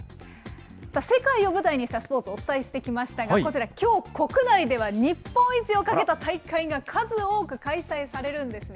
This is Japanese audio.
世界を舞台にしたスポーツ、お伝えしてきましたが、こちら、きょう国内では日本一を懸けた大会が数多く開催されるんですね。